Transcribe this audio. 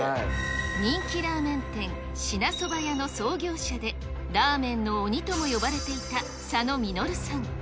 人気ラーメン店、支那そばやの創業者で、ラーメンの鬼とも呼ばれていた佐野実さん。